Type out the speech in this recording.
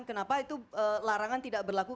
kenapa itu larangan tidak berlaku